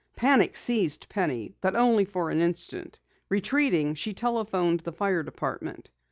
Panic seized Penny, but only for an instant. Retreating, she telephoned the fire department.